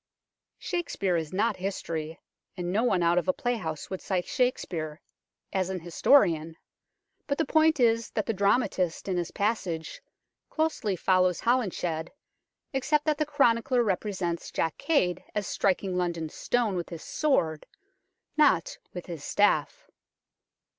Shakespeare is not history, and no one out of a play house would cite Shakespeare as an LONDON STONE 131 historian, but the point is that the dramatist in this passage closely follows Holinshed, except that the chronicler represents Jack Cade as striking London Stone with his sword, not with his staff.